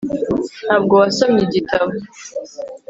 ntabwo wasomye igitabo